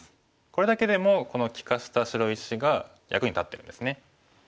これだけでもこの利かした白石が役に立ってるんですね。